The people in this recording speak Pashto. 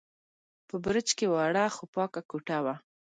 په برج کې وړه، خو پاکه کوټه وه.